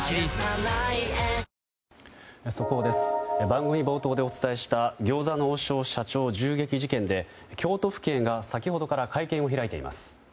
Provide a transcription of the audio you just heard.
番組冒頭でお伝えした餃子の王将社長襲撃事件で京都府警が先ほどから会見を開いています。